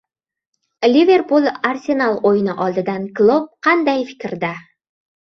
“Liverpul” – “Arsenal” o‘yini oldidan Klopp qanday fikrda?